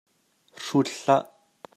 Hrut hlah.